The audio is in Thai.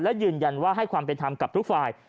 และยืนยันว่าให้ความเป็นธรรมกับทุกฝ่าย